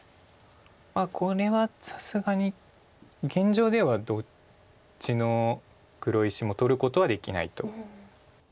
これはさすがに現状ではどっちの黒石も取ることはできないと。